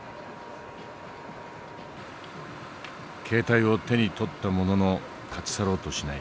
携帯を手に取ったものの立ち去ろうとしない。